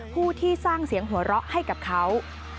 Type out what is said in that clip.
ผู้ที่สร้างเสียงหัวเราะให้กับเขา